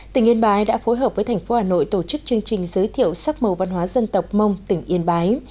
tỉnh yên bái đã phối hợp với thành phố hà nội tổ chức chương trình giới thiệu sắc màu văn hóa dân tộc mông tỉnh yên bái